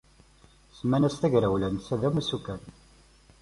Semman-as tagrawla, netta d amussu kan.